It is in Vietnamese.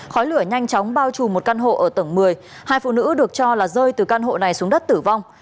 khói lửa nhanh chóng bao trùm một căn hộ ở tầng một mươi hai phụ nữ được cho là rơi từ căn hộ này xuống đất tử vong